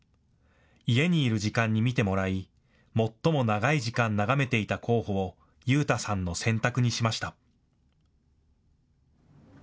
家にいる時間に見てもらい最も長い時間、眺めていた候補を悠太さんの選択にしました。